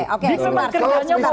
di kemerdekaannya mau diperintah apa